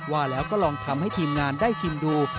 ว่าแล้วก็ลองทำให้ทีมงานได้ชิมดู